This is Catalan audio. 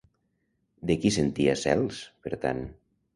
De qui sentia cels, per tant?